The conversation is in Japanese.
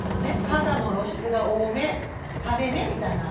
肌の露出が多め派手めみたいな。